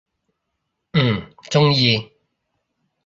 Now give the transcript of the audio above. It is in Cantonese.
嗯，中意！